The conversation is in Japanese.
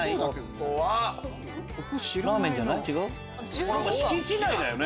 これ敷地内だよね？